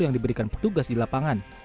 yang diberikan petugas di lapangan